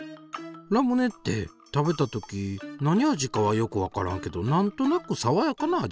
ラムネって食べた時なに味かはよくわからんけどなんとなくさわやかな味するやん？